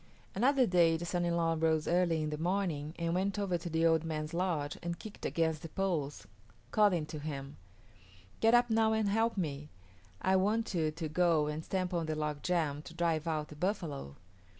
Another day the son in law rose early in the morning and went over to the old man's lodge and kicked against the poles, calling to him, "Get up now and help me; I want you to go and stamp on the log jam to drive out the buffalo."